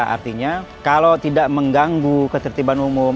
artinya kalau tidak mengganggu ketertiban umum